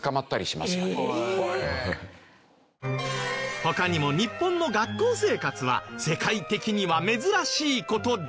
他にも日本の学校生活は世界的には珍しい事だらけ。